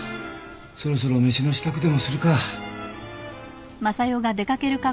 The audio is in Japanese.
そろそろ飯の支度でもするか。